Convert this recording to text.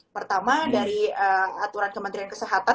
pertama dari aturan kementerian kesehatan